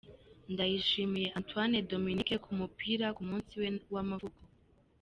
Ndayishimiye Antoine Dominique ku mupira ku munsi we w'amavuko .